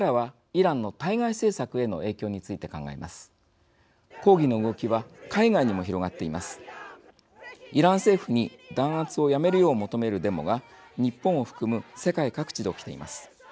イラン政府に弾圧をやめるよう求めるデモが日本を含む世界各地で起きています。